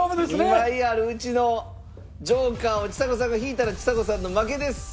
２枚あるうちのジョーカーをちさ子さんが引いたらちさ子さんの負けです。